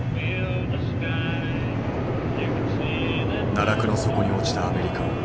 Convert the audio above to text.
奈落の底に落ちたアメリカ。